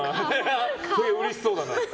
うれしそうだな。